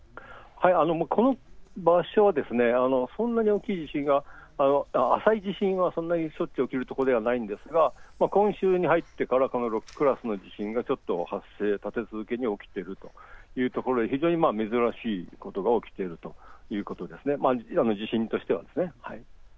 この場所はそんなに大きい地震、浅い地震がしょっちゅう起きるところではないんですが今週に入ってからこの６クラスの地震が立て続けに起きているという状況で非常に珍しいことが起きているということなんです。